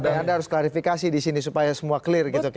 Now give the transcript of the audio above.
oke anda harus klarifikasi di sini supaya semua clear gitu